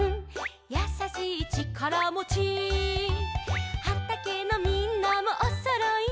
「やさしいちからもち」「はたけのみんなもおそろいね」